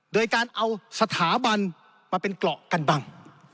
โดยการเอาสถาบันมาเป็นเกราะกันบัง